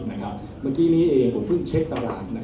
เมื่อกี้นี้เองผมเพิ่งเช็คตลาด